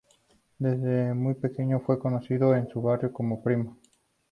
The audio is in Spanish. Desde muy pequeño fue conocido en su barrio como "primo".